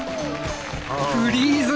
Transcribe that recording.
フリーズ！